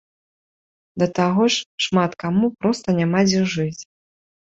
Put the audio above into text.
Да таго ж, шмат каму проста няма дзе жыць.